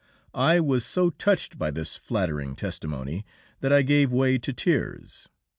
I was so touched by this flattering testimony that I gave way to tears.